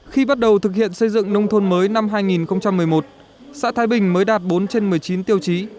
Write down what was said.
khi bắt đầu thực hiện xây dựng nông thôn mới năm hai nghìn một mươi một xã thái bình mới đạt bốn trên một mươi chín tiêu chí